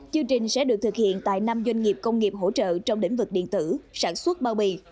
chương trình sẽ được thực hiện tại năm doanh nghiệp công nghiệp hỗ trợ trong lĩnh vực điện tử sản xuất bao bì